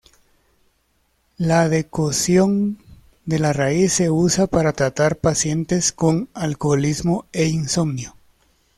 La decocción de la raíz se usa para tratar pacientes con alcoholismo e insomnio.